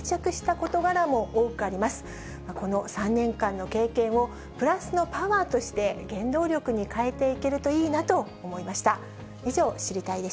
この３年間の経験をプラスのパワーとして、原動力に変えていけるといいなと思いました。